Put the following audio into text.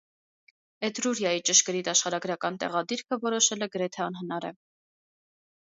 Էտրուրիայի ճշգրիտ աշխարհագրական տեղադիրքը որոշելը գրեթե անհնար է։